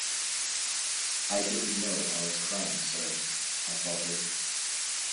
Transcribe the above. "I didn't know I was crying, sir," I faltered.